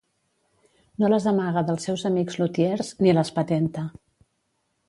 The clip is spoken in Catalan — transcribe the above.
No les amaga dels seus amics lutiers, ni les patenta.